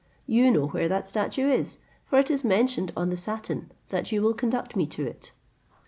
You know where that statue is; for it is mentioned on the satin, that you will conduct me to it."